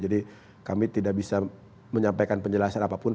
jadi kami tidak bisa menyampaikan penjelasan apapun